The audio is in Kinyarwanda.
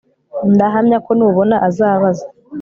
ndahamya ko nubona, azabaza